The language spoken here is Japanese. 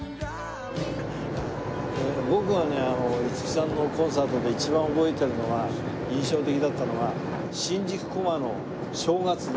僕はね五木さんのコンサートで一番覚えてるのが印象的だったのが新宿コマの正月で。